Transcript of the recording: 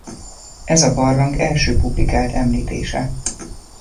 Ez a barlang első publikált említése.